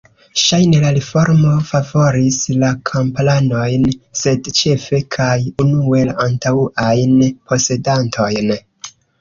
Ŝajne la reformo favoris la kamparanojn, sed ĉefe kaj unue la antaŭajn posedantojn.